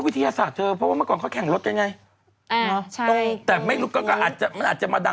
ตรงโค้งเป็นเรื่องเกี่ยวกับวิทยาศาสตร์